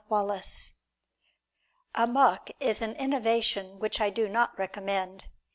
WALLACE "Amok" is an innovation which I do not recommend.